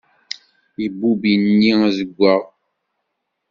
Ibubb ini azeggwaɣ.